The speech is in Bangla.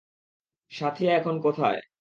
সাথ্যীয়া এখন কোথায়?